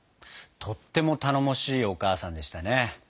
とっても頼もしいお母さんでしたね。